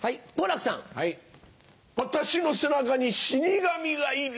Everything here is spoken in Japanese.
私の背中に死神がいる。